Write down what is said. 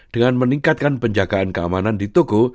dengan meningkatkan penjagaan keamanan di toko